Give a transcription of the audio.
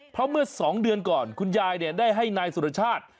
เพราะเมื่อ๒เดือนก่อนคุณยายได้ให้นายสุรชาติ